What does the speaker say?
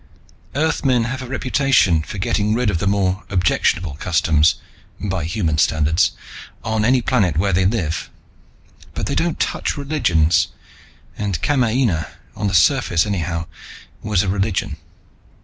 Earthmen have a reputation for getting rid of the more objectionable customs by human standards on any planet where they live. But they don't touch religions, and Kamaina, on the surface anyhow, was a religion.